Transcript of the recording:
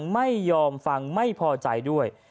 ไม่ยอมฟังไม่พอใจด้วย